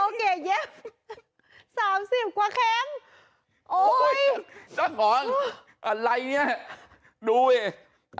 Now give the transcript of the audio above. โดนตำรวจตบที่สามสิบกว่าแคมป์โอ้ยช่างหอมอะไรเนี้ยดูเว้ย